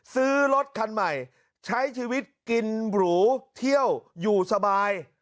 ซื้อรถคันใหม่ใช้ชีวิตกินหรูเที่ยวอยู่สบาย